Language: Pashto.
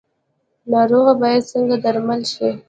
ناروغه باید څنګه درمل شي؟